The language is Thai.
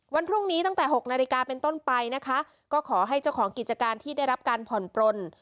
วันพรุ่งนี้ตั้งแต่๖นาฬิกาเป็นต้นไปนะคะก็ขอให้เจ้าของกิจการที่ได้รับการผ่อนปลน